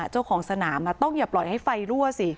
เจ้าของสนามต้องอย่าปล่อยให้ไฟรั่วสิ